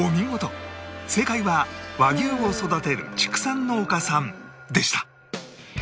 正解は和牛を育てる畜産農家さんでした